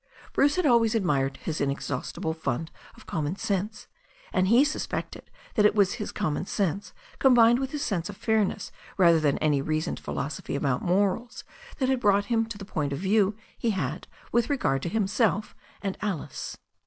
Bruce had always admired his inexhaustible fund of common sense, and he suspected that it was his common sense combined with his sense of fairness, rather than any reasoned philosophy about morals, that had brought him to the point of view he had with regard to himself and Alice.